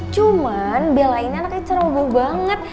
cuman bella ini anaknya ceroboh banget